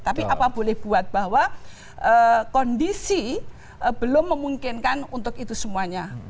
tapi apa boleh buat bahwa kondisi belum memungkinkan untuk itu semuanya